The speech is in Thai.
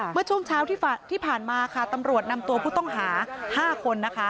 เมื่อช่วงเช้าที่ผ่านมาค่ะตำรวจนำตัวผู้ต้องหา๕คนนะคะ